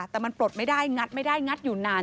แต่มันปลดไม่ได้งัดไม่ได้งัดอยู่นาน